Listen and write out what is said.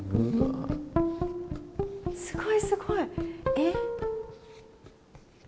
すごいすごい。え？